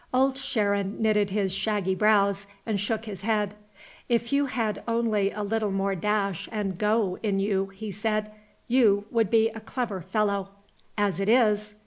Old Sharon knitted his shaggy brows and shook his head. "If you had only a little more dash and go in you," he said, "you would be a clever fellow. As it is